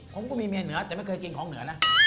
ผมก็มีเมียเหนือแต่ไม่เคยกินของเหนือนะ